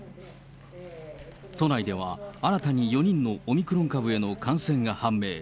都内では新たに４人のオミクロン株への感染が判明。